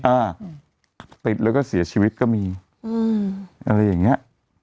อ่าติดแล้วก็เสียชีวิตก็มีอืมอะไรอย่างเงี้ย